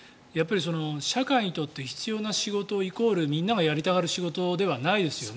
社会にとって必要な仕事イコールみんながやりたがる仕事ではないですよね。